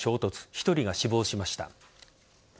１人が死亡しました。